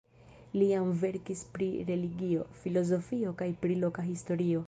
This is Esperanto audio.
Li jam verkis pri religio, filozofio kaj pri loka historio.